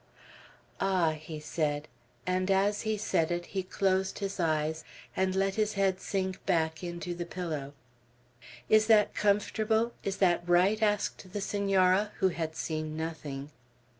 "Ah!" he said; and as he said it, he closed his eyes, and let his head sink back into the pillow. "Is that comfortable? Is that right?" asked the Senora, who had seen nothing.